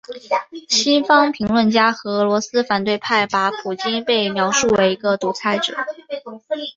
西方评论家和俄罗斯反对派把普京被描述为一个独裁者。